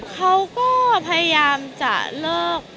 เขาก็พยายามจะเลิก